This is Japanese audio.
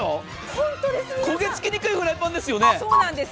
焦げつきにくいフライパンですよね？